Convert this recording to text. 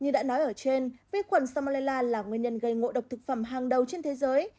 như đã nói ở trên vi khuẩn salmella là nguyên nhân gây ngộ độc thực phẩm hàng đầu trên thế giới